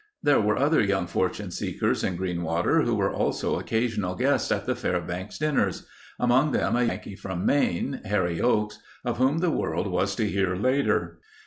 There were other young fortune seekers in Greenwater who were also occasional guests at the Fairbanks dinners—among them a Yankee from Maine—Harry Oakes, of whom the world was to hear later.